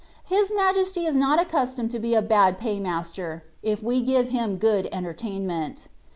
His Ma jesty is not accustomed to be a bad pay master^ if we give Him good ent^i;ainment.